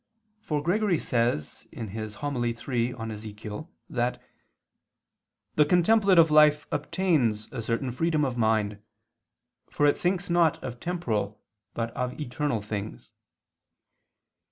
For Gregory says (Hom. iii in Ezech.) that "the contemplative life obtains a certain freedom of mind, for it thinks not of temporal but of eternal things."